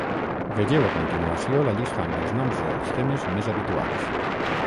Vegeu a continuació la llista amb els noms dels temes més habituals.